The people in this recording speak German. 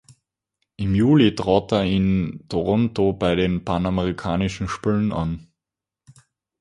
Im Juli trat er in Toronto bei den Panamerikanischen Spielen an.